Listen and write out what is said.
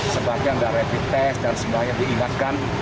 sebabnya gak rapid test dan semuanya diingatkan